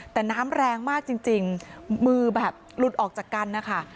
แต่น้ำแรงมากจริงมือแบบหลุดออกจากกันนะคะ